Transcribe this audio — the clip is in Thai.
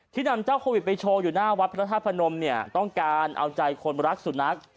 ที่นำเจ้าโควิดไปโชว์อยู่หน้าวัพทธาพนมต้องการเอาใจคนรักสุนัข